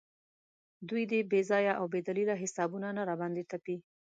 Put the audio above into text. دوی دې بې ځایه او بې دلیله حسابونه نه راباندې تپي.